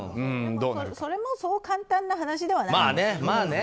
それもそう簡単な話ではないんです。